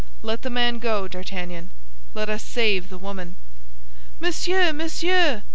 Let the man go, D'Artagnan; let us save the woman." "Monsieur, monsieur!"